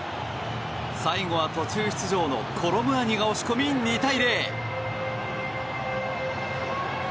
最後は途中出場のコロムアニが押し込み２対０。